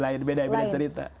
lain beda beda cerita